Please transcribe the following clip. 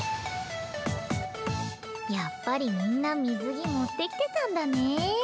やっぱりみんな水着持ってきてたんだね。